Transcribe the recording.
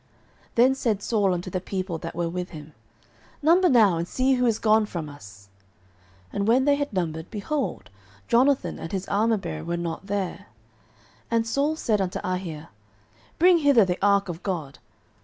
09:014:017 Then said Saul unto the people that were with him, Number now, and see who is gone from us. And when they had numbered, behold, Jonathan and his armourbearer were not there. 09:014:018 And Saul said unto Ahiah, Bring hither the ark of God.